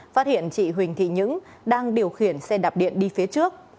phát hiện chị huỳnh thị những đang điều khiển xe đạp điện đi phía trước